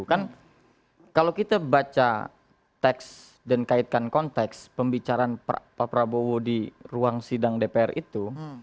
kan kalau kita baca teks dan kaitkan konteks pembicaraan pak prabowo di ruang sidang dpr itu